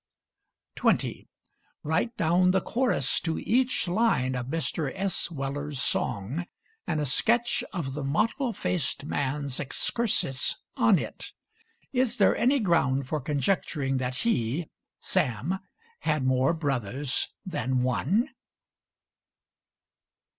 20. Write down the chorus to each line of Mr. S. Weller's song, and a sketch of the mottled faced man's excursus on it. Is there any ground for conjecturing that he (Sam) had more brothers than one?